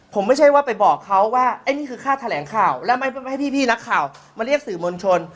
ผมไม่ใช่ว่าไปบอกเขาว่าไอ้นี่คือค่าแถลงข่าวแล้วไม่ให้พี่นักข่าวมาเรียกสื่อมวลชน